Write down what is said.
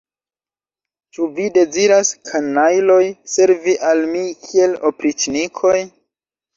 Ĉu vi deziras, kanajloj, servi al mi kiel opriĉnikoj?